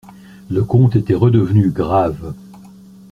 Le comte était redevenu grave.